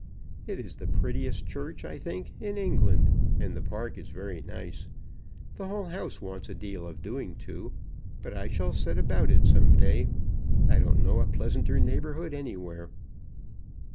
"It is the prettiest church, I think, in England, and the park is very nice. The whole house wants a deal of doing to, but I shall set about it some day. I don't know a pleasanter neighbourhood anywhere."